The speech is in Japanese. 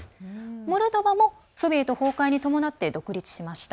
モルドバもソビエト崩壊に伴って独立しました。